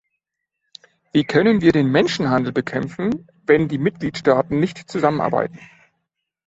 Wie können wir den Menschenhandel bekämpfen, wenn die Mitgliedstaaten nicht zusammenarbeiten?